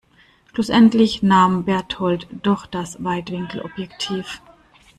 Schlussendlich nahm Bertold doch das Weitwinkelobjektiv.